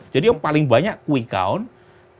jadi yang paling banyak quay count